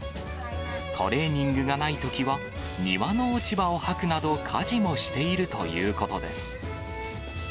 トレーニングがないときは、庭の落ち葉をはくなど、家事もしているということです。